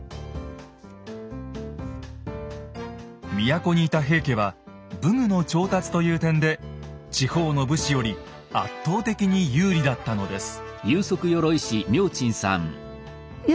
都にいた平家は武具の調達という点で地方の武士より圧倒的に有利だったのです。